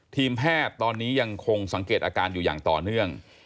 ทีมแพทย์ตอนนี้ยังคงสังเกตอาการอยู่อย่างต่อเนื่อง